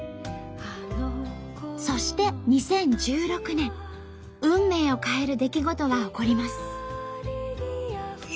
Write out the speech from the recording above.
そして２０１６年運命を変える出来事が起こります。